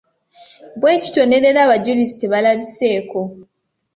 Bwe kityo ne leero abajulizi tebalabiseeko.